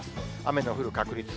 雨の降る確率。